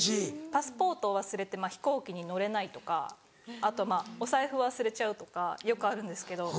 パスポートを忘れて飛行機に乗れないとかあとお財布忘れちゃうとかよくあるんですけど。